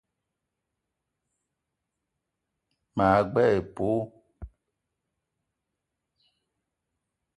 Ma gbele épölo